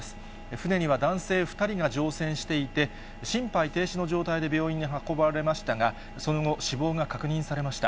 船には男性２人が乗船していて、心肺停止の状態で病院に運ばれましたが、その後、死亡が確認されました。